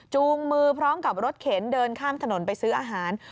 มือพร้อมกับรถเข็นเดินข้ามถนนไปซื้ออาหาร